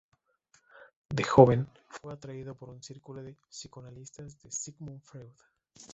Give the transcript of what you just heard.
De joven fue atraído por el círculo de psicoanalistas de Sigmund Freud.